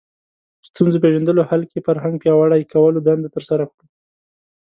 ستونزو پېژندلو حل کې فرهنګ پیاوړي کولو دنده ترسره کړو